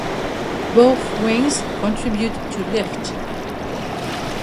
Both wings contribute to lift.